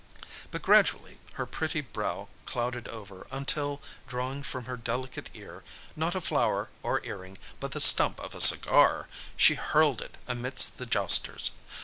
But gradually her pretty brow clouded over, until, drawing from her delicate ear, not a flower or earring, but the stump of a cigar, she hurled it amidst the jousters.